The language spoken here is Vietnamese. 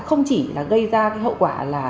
không chỉ gây ra hậu quả là